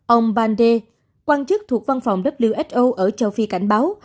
ông bande quan chức thuộc văn phòng who ở châu phi cảnh báo